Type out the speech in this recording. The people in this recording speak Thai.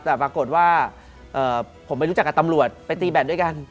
แต่ปรากฏว่าผมไปรู้จักกับตำรวจไปตีแบตด้วยกัน